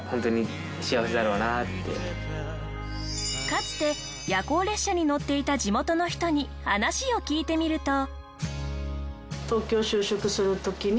かつて夜行列車に乗っていた地元の人に話を聞いてみると。